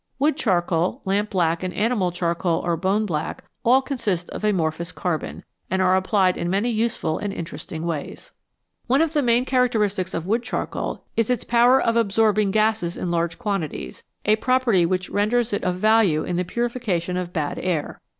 Wood charcoal, lampblack, and animal char coal or boneblack all consist of amorphous carbon, and are applied in many useful and interesting ways. 56 ELEMENTS WITH DOUBLE IDENTITY One of the main characteristics of wood charcoal is its power of absorbing gases in large quantities, a property which renders it of value in the purification of bad air.